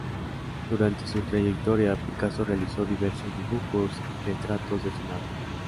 Durante su trayectoria Picasso realizó diversos dibujos y retratos de su madre.